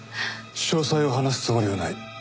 詳細を話すつもりはない。